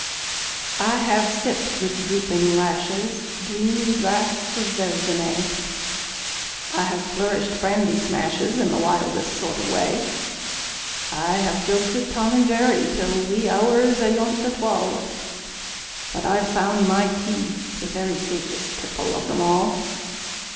I have sipped, with drooping lashes, Dreamy draughts of Verzenay; I have flourished brandy smashes In the wildest sort of way; I have joked with "Tom and Jerry" Till wee hours ayont the twal' But I've found my tea the very Safest tipple of them all!